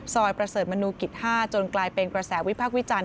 ซอยประเสริฐมณูกิจ๕จนกลายเป็นกระแสวิภาควิจันทร์